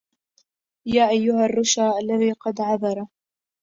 يا أيها الرشأ الذي قد عذرا